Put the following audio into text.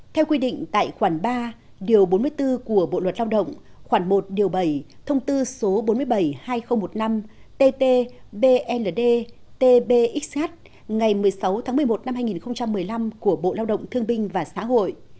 theo quy định tại khoản ba điều bốn mươi bốn của bộ luật lao động khoảng một bảy thông tư số bốn mươi bảy hai nghìn một mươi năm tt bld tbx ngày một mươi sáu tháng một mươi một năm hai nghìn một mươi năm của bộ lao động thương binh và xã hội